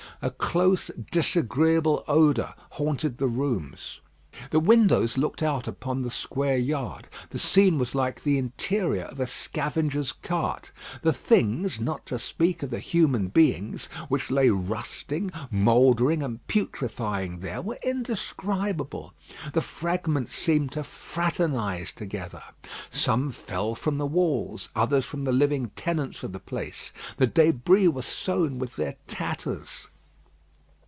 A close, disagreeable odour haunted the rooms. The windows looked out upon the square yard. The scene was like the interior of a scavenger's cart. The things, not to speak of the human beings, which lay rusting, mouldering, and putrefying there, were indescribable. The fragments seemed to fraternise together. Some fell from the walls, others from the living tenants of the place. The débris were sown with their tatters.